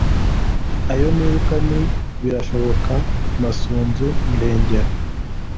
Ayo nibuka ni “Birashoboka, Masunzu, Ndengera